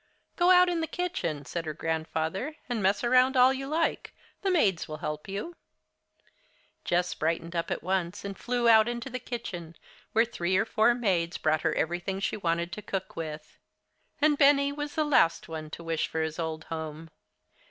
"Go out in the kitchen," said her grandfather, "and mess around all you like. The maids will help you." Jess brightened up at once, and flew out into the kitchen, where three or four maids brought her everything she wanted to cook with. And Benny was the last one to wish for his old home.